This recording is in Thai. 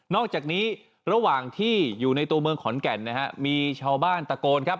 อกจากนี้ระหว่างที่อยู่ในตัวเมืองขอนแก่นนะฮะมีชาวบ้านตะโกนครับ